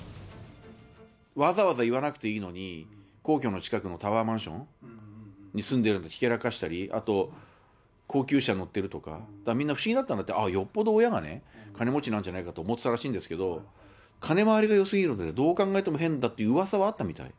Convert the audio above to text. わざわざ言わなくていいのに、皇居の近くのタワーマンションに住んでるってひけらかしたり、あと高級車乗ってるとか、だからみんな不思議だったんだって、よっぽど親が金持ちなんじゃないかと思ってたらしいんですけど、金回りがよすぎるんで、どう考えても変だっていううわさはあったみたい。